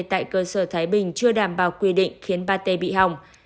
tại cơ sở thái bình chưa đảm bảo quy định khiến pate bị hỏng